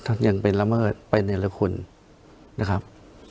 ท่านยังเป็นลำเมิดเป็นเนื้อละคุณนะครับ